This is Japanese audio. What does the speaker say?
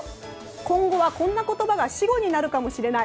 今後は、こんな言葉が死語になるかもしれない。